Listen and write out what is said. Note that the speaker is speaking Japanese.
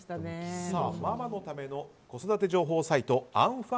ママのための子育て情報サイトあん